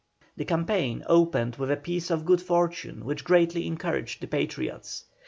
The campaign opened with a piece of good fortune which greatly encouraged the Patriots.